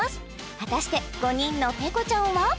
果たして５人のペコちゃんは？